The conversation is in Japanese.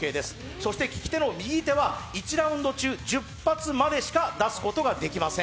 そして利き手の右手は１ラウンド中１０発までしか出すことができません。